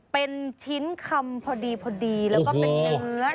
เป็นชิ้นคำพอดีแล้วก็เป็นเนื้อ